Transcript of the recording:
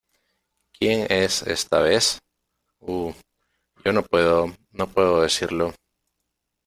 ¿ Quién es esta vez? Uh, yo no puedo no puedo decirlo.